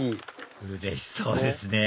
うれしそうですね